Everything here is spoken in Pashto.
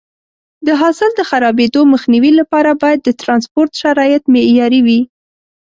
د حاصل د خرابېدو مخنیوي لپاره باید د ټرانسپورټ شرایط معیاري وي.